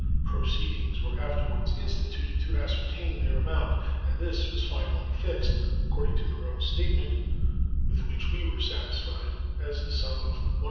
Proceedings were afterwards instituted to ascertain their amount, and this was finally fixed, according to their own statement (with which we were satisfied), at the sum of $128,635.